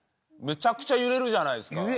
めちゃくちゃ揺れるじゃないですか。